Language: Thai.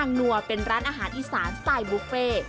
นัวเป็นร้านอาหารอีสานสไตล์บุฟเฟ่